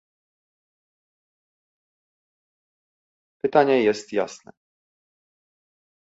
Pytanie jest jasne